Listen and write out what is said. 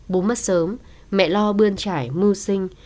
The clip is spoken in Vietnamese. bố mất sớm mẹ lo bươn trải mưu sinh